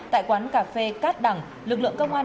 tại quán cà phê cát đằng lực lượng công an